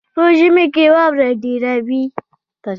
په ژمي کې واوره ډیره وي.